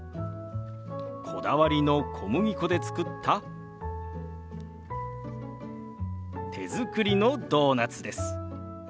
こだわりの小麦粉で作った手作りのドーナツです。